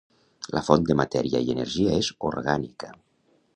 La font de matèria i energia és orgànica.